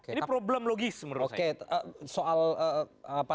ini problem logis menurut saya